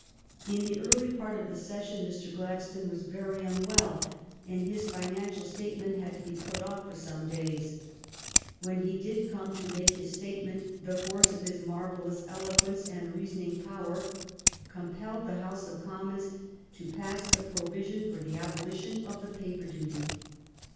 In the early part of the session Mr. Gladstone was very unwell, and his financial statement had to be put off for some days. When he did come to make his statement, the force of his marvellous eloquence and reason ing power compelled the House of Commons to pass the provision for the abolition of the paper duty.